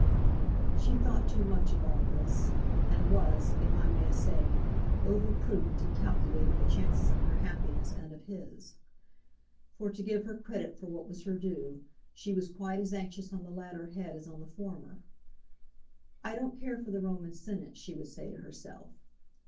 She thought too much of all this, and was, if I may say, over prudent in calculating the chances of her happiness and of his. For, to give her credit for what was her due, she was quite as anxious on the latter head as on the former. "I don't care for the Roman Senate," she would say to herself.